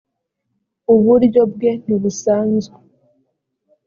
uburyo bwe ntibusanzwe.